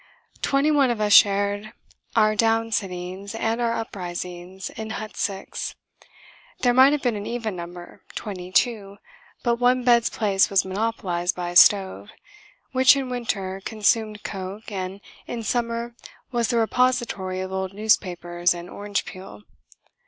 Twenty one of us shared our downsittings and our uprisings in Hut 6. There might have been an even number, twenty two, but one bed's place was monopolised by a stove (which in winter consumed coke, and in summer was the repository of old newspapers and orange peel).